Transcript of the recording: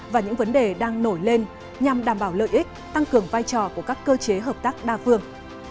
và những vấn đề đang nổi lên nhằm đảm bảo lợi ích tăng cường vai trò của các cơ chế hợp tác đa phương